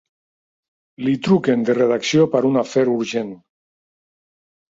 Li truquen de redacció per un afer urgent.